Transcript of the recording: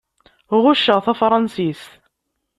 Ɣucceɣ tafṛansist.